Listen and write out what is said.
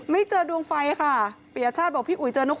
เจอดวงไฟค่ะปียชาติบอกพี่อุ๋ยเจอนก